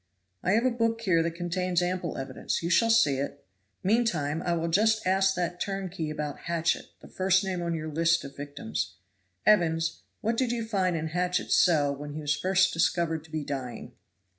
"I have a book here that contains ample evidence; you shall see it. Meantime I will just ask that turnkey about Hatchett, the first name on your list of victims. Evans, what did you find in Hatchett's cell when he was first discovered to be dying?"